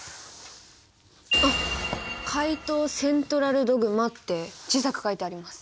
あっ「怪盗セントラルドグマ」って小さく書いてあります。